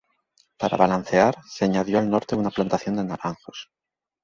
Para balancear, se añadió al norte una plantación de naranjos.